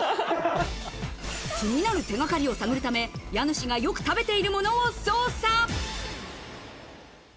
気になる手掛かりを探るため、家主がよく食べているものを捜査。